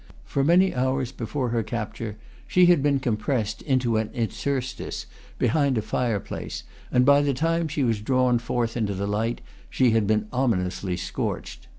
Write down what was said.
For many hours before her capture she had been compressed into an inter stice behind a fireplace, and by the time she was drawn forth into the light she had been ominously scorched.